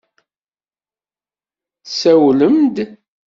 Tsawlem-d?